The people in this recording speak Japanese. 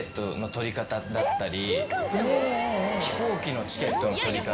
取り方だったり。